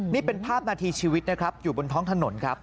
นี่เป็นภาพนาทีชีวิตนะครับอยู่บนท้องถนนครับ